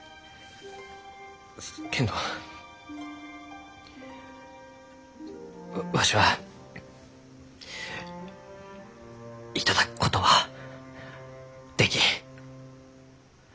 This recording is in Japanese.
けんどわしは頂くことはできん。